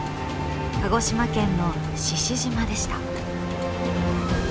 鹿児島県の獅子島でした。